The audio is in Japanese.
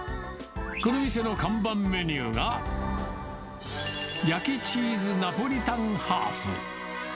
この店の看板メニューが、焼きチーズナポリタンハーフ。